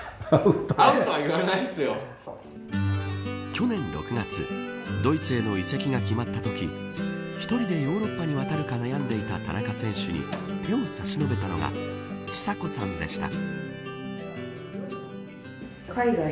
去年６月ドイツへの移籍が決まったとき一人でヨーロッパに渡るか悩んでいた田中選手に手を差し伸べたのが知佐子さんでした。